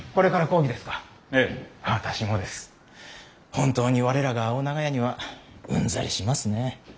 本当に我らが青長屋にはうんざりしますね。